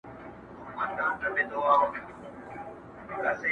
دا له سترګو فریاد ویښ غوږونه اوري,